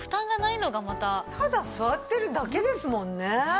ただ座ってるだけですもんね！